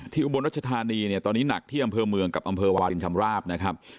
อุบลรัชธานีเนี่ยตอนนี้หนักที่อำเภอเมืองกับอำเภอวาลินชำราบนะครับ